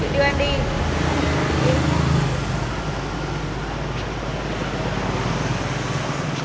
nhưng mà em lỡ có